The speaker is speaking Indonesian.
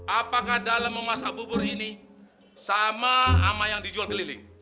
apakah dalam memasak bubur ini sama sama yang dijual keliling